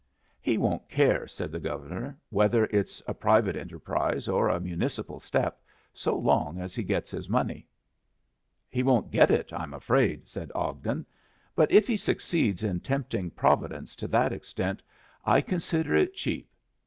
"He won't care," said the Governor, "whether it's a private enterprise or a municipal step, so long as he gets his money." "He won't get it, I'm afraid," said Ogden. "But if he succeeds in tempting Providence to that extent, I consider it cheap.